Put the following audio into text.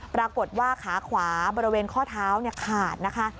ปรากฏว่าขาขวาบริเวณข้อเท้าขาดนะคะ